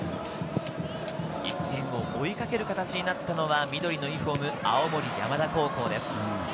１点を追いかける形になったのは緑のユニホーム、青森山田高校です。